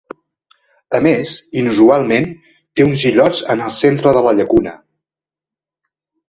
A més, inusualment, té uns illots en el centre de la llacuna.